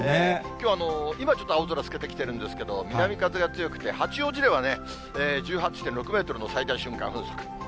きょう今、ちょっと青空透けてきてるんですけど、南風が強くて、八王子では１８．６メートルの最大瞬間風速。